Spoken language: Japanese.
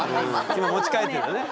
今持ち帰ってるのね。